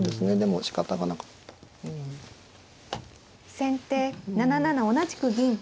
先手７七同じく銀。